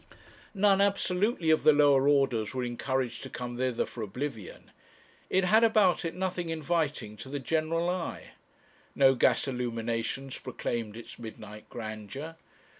None absolutely of the lower orders were encouraged to come thither for oblivion. It had about it nothing inviting to the general eye. No gas illuminations proclaimed its midnight grandeur.